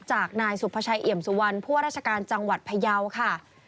จากนายสุภาชัยเอี่ยมสุวรรณผู้ว่าราชการจังหวัดพยาวค่ะ